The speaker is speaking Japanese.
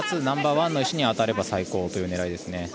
ナンバーワンの石に当たれば最高という狙いですね。